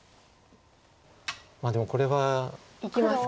でもこれは。いきますか。